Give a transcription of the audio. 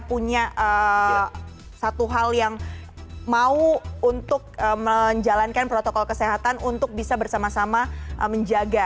punya satu hal yang mau untuk menjalankan protokol kesehatan untuk bisa bersama sama menjaga